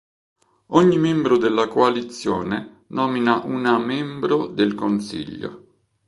Ogni membro della coalizione nomina una membro del Consiglio.